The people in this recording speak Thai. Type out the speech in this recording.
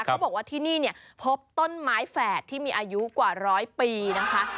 เขาบอกว่าที่นี่เนี่ยพบต้นไม้แฝดที่มีอายุกว่าร้อยปีนะคะ